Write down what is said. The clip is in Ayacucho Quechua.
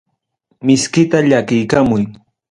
Miskita llakiykamuy.